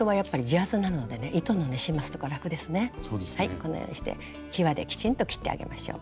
このようにしてきわできちんと切ってあげましょう。